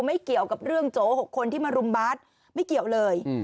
ไม่เกี่ยวกับเรื่องโจ๖คนที่มารุมบาสไม่เกี่ยวเลย